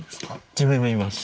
自分もいます。